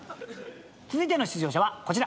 続いての出場者はこちら。